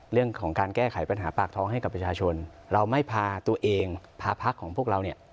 เรื่องของการแก้ไขปัญหาปากท้องให้กับประชาชนเราไม่พาตัวเองพาพักของพวกเราเนี่ย